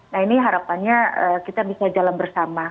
nah ini harapannya kita bisa jalan bersama